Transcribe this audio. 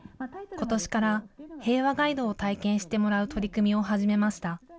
ことしから平和ガイドを体験してもらう取り組みを始めました。